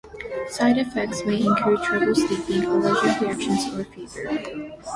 Side effects may include trouble sleeping, allergic reactions, or fever.